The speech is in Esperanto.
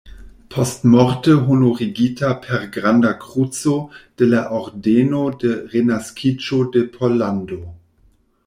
Postmorte honorigita per Granda Kruco de la Ordeno de Renaskiĝo de Pollando.